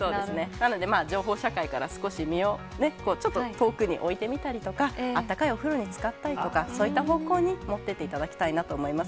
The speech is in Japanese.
なので、情報社会から少し身をね、ちょっと遠くに置いてみたりとか、あったかいお風呂につかったりとか、そういった方向にもっていっていただきたいなと思います。